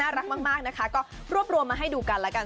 รักมากนะคะก็รวบรวมมาให้ดูกันแล้วกัน